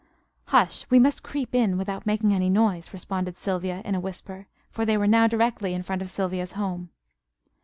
"Hush, we must creep in without making any noise," responded Sylvia, in a whisper, for they were now directly in front of Sylvia's home.